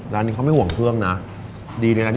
หอมมันไหม